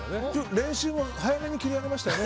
練習も早めに切り上げましたよね。